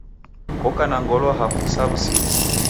Koka na ngolo hafu sa wu'siri